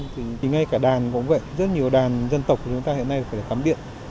thì ngay cả đàn cũng vậy rất nhiều đàn dân tộc của chúng ta hiện nay phải cắm điện